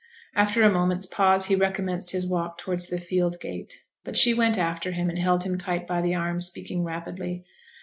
After a moment's pause he recommenced his walk towards the field gate. But she went after him and held him tight by the arm, speaking rapidly.